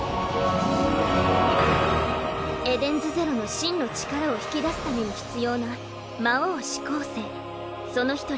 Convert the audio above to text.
エデンズゼロの真の力を引き出すために必要な魔王四煌星その１人